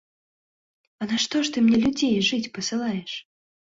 А нашто ж ты мне людзей жыць пасылаеш?